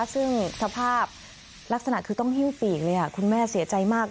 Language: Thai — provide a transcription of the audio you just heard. ซึ่งสภาพลักษณะคือต้องหิ้วปีกเลยคุณแม่เสียใจมาก